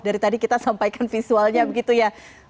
dari tadi kita sampaikan visualnya begitu ya